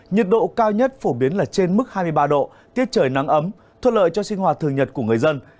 nhiệt độ cao nhất phổ biến là trên mức hai mươi ba độ tiết trời nắng ấm thuận lợi cho sinh hoạt thường nhật của người dân